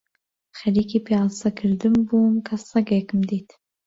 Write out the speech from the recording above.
خەریکی پیاسە کردن بووم کە سەگێکم دیت